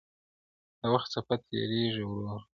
د وخت څپه تېرېږي ورو,